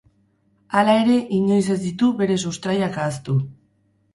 Hala ere, inoiz ez ditu bere sustraiak ahaztu.